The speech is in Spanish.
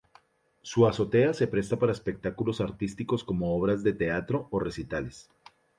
Su azotea se presta para espectáculos artísticos como obras de teatro o recitales.